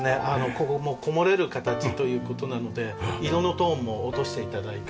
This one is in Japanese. ここもうこもれる形という事なので色のトーンも落として頂いて。